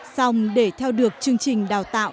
song để theo được chương trình đào tạo